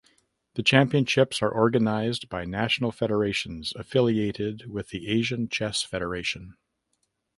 The championships are organized by national federations affiliated with the Asian Chess Federation.